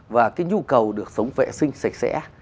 và cái nhu cầu được sống vệ sinh sạch sẽ